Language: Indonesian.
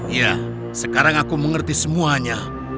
iya sekarang aku mengerti semuanya